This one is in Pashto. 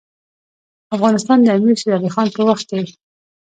افغانستان د امیر شیرعلي خان په وخت کې.